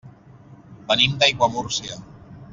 Venim d'Aiguamúrcia.